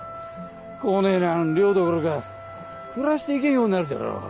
こねぇなん漁どころか暮らして行けんようになるじゃろ。